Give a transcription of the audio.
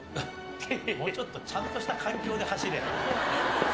もうちょっとちゃんとした環境で走れ。